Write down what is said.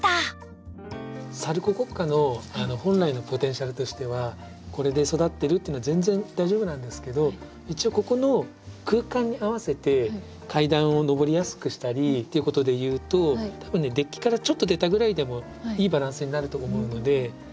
サルココッカの本来のポテンシャルとしてはこれで育ってるっていうのは全然大丈夫なんですけど一応ここの空間に合わせて階段を上りやすくしたりということでいうと多分ねデッキからちょっと出たぐらいでもいいバランスになると思うので。